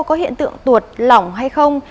có hiện tượng tuột lỏng hay không